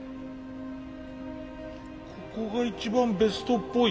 ここが一番ベストっぽい。